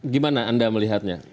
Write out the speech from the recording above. gimana anda melihatnya